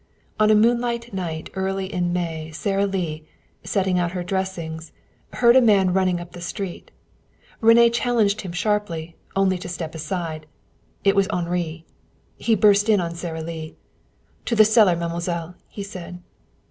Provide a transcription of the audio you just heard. On a moonlight night in early May, Sara Lee, setting out her dressings, heard a man running up the street. René challenged him sharply, only to step aside. It was Henri. He burst in on Sara Lee. "To the cellar, mademoiselle!" he said.